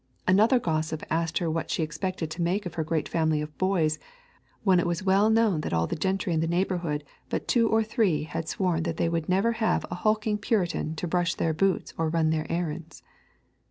Another gossip asked her what she expected to make of her great family of boys when it was well known that all the gentry in the neighbourhood but two or three had sworn that they would never have a hulking Puritan to brush their boots or run their errands.